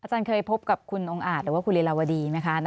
เคยพบกับคุณองค์อาจหรือว่าคุณลีลาวดีไหมคะ